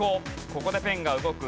ここでペンが動く。